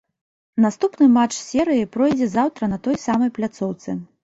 Наступны матч серыі пройдзе заўтра на той самай пляцоўцы.